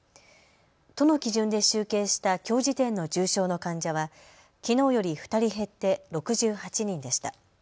都の基準で集計したきょう時点の重症の患者はきのうより２人減って６８人でした。